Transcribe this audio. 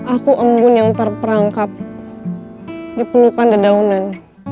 aku embun yang terperangkap dipelukan dadaunan